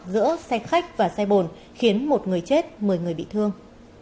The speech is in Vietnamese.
giữa xe khách và xe bồn khiến một người chết một mươi người bị thương